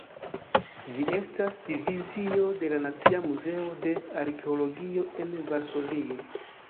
Ĝi estas divizio de la Nacia Muzeo de Arkeologio en Varsovio.